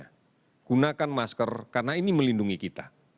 guna masker gunakan masker karena ini melindungi kita